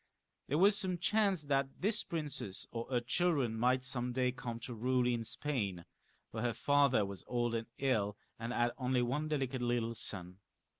There was some chance that this princess or her children might some day come to rule in Spain, for her father was old and ill, and had only one delicate little son.